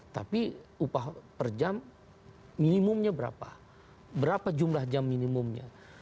tapi upah per jam minimumnya berapa berapa jumlah jam minimumnya